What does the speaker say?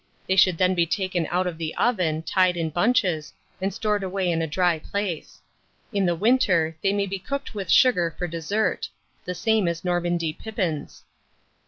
They should then be taken out of the oven, tied in bunches, and stored away in a dry place. In the winter, they may be cooked with sugar for dessert, the same as Normandy pippins.